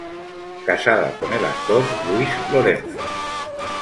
Casada con el actor Luis Lorenzo.